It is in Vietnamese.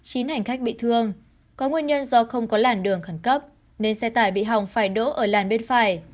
chín hành khách bị thương có nguyên nhân do không có làn đường khẩn cấp nên xe tải bị hỏng phải đỗ ở làn bên phải